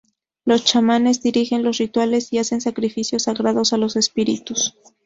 Los chamanes dirigen los rituales y hacen sacrificios sagrados a los espíritus.